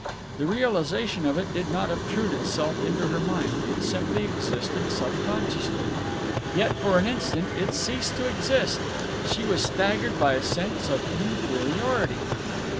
The realization of it did not obtrude itself into her mind, it simply existed subconsciously. Yet for an instant it ceased to exist. She was staggered by a sense of inferiority.